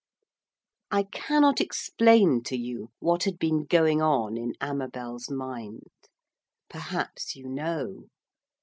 I cannot explain to you what had been going on in Amabel's mind. Perhaps you know.